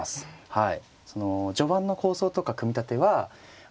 はい。